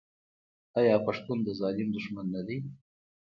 آیا پښتون د ظالم دښمن نه دی؟